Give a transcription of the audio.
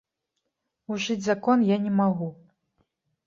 Ужыць закон я не магу.